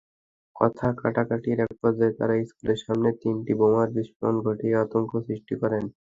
কথা-কাটাকাটির একপর্যায়ে তাঁরা স্কুলের সামনে তিনটি বোমার বিস্ফোরণ ঘটিয়ে আতঙ্ক সৃষ্টি করেন।